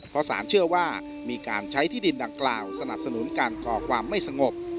เพราะสารเชื่อว่ามีการใช้ที่ดินดังกล่าวสนับสนุนการก่อความไม่สงบ